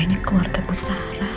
ini kayaknya keluarga bu sarah